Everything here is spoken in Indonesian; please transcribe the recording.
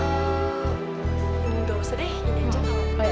gak usah deh gini aja